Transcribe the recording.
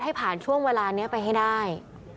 ให้ผ่านช่วงเวลานี้ไปให้ได้